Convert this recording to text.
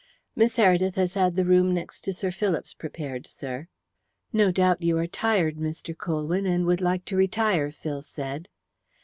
"Miss Heredith has had the room next to Sir Philip's prepared, sir." "No doubt you are tired, Mr. Colwyn, and would like to retire," Phil said.